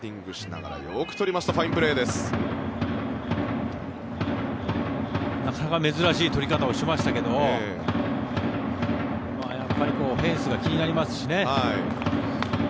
なかなか珍しいとり方をしましたけどやっぱりフェンスが気になりますしね。